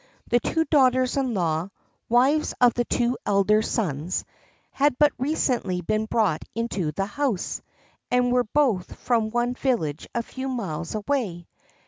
The two daughters in law, wives of the two elder sons, had but recently been brought into the house, and were both from one village a few miles away.